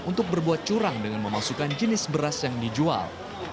untuk berbuat curang dengan memasukkan jenis beras yang dijual